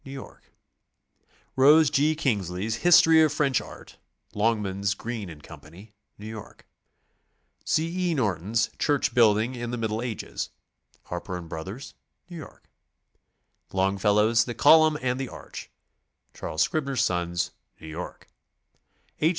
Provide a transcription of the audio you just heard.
New York; Rose G. Kingsley's "History of French Art," Longmans, Green & Co., New York; C. E. Norton's "Church Building in the Middle Ages," Harper & Bros., New York; Longfellow's "The Col umn and the Ardh," Charles Scribner's Sons, New York; H.